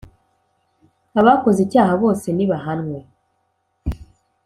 abakoze icyaha bose nibahanwe